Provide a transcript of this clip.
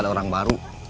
dari orang baru